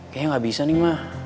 kayaknya nggak bisa nih mah